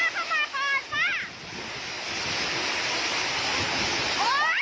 ไม่ต้องล่ะไแล้ฟ้าเข้ามาก่อนฟ้า